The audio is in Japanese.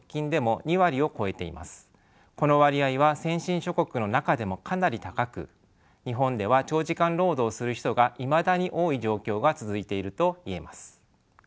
この割合は先進諸国の中でもかなり高く日本では長時間労働をする人がいまだに多い状況が続いていると言えます。